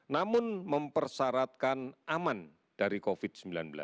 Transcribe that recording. namun mempersyaratkan aman dari covid sembilan belas